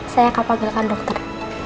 saya akan panggilkan dokter